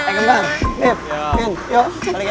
eh gembar nif fin yuk balik ya